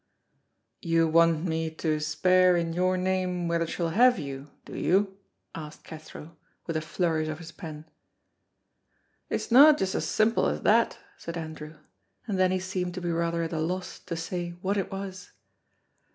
"You want me to speir in your name whether she'll have you, do you?" asked Cathro, with a flourish of his pen. "It's no just so simple as that," said Andrew, and then he seemed to be rather at a loss to say what it was.